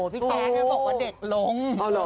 พี่แจ๊กบอกว่าเด็กลง